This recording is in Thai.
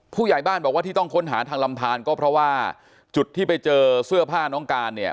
ผู้ใหญ่บ้านบอกว่าที่ต้องค้นหาทางลำทานก็เพราะว่าจุดที่ไปเจอเสื้อผ้าน้องการเนี่ย